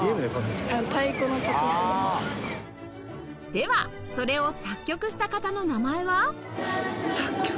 ではそれを作曲した方の名前は？